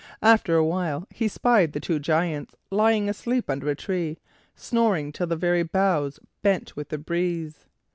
After a while he spied the two Giants lying asleep under a tree, snoring till the very boughs bent with the breeze.